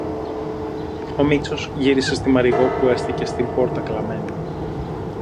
Ο Μήτσος γύρισε στη Μαριγώ που έστεκε στην πόρτα κλαμένη.